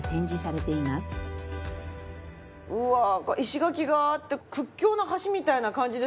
うわあ石垣があって屈強な橋みたいな感じですけど。